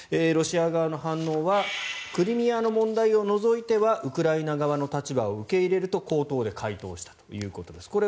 ロシア側の反応はクリミアの問題を除いてはウクライナ側の立場を受け入れると口頭で回答したということです。